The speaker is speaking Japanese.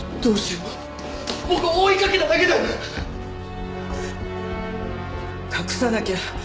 どうしよう僕追いかけただけで。